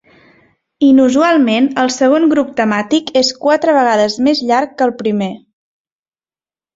Inusualment, el segon grup temàtic és quatre vegades més llarg que el primer.